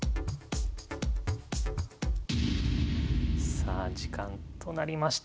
さあ時間となりました。